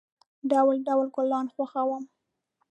ډول، ډول گلان خوښوم.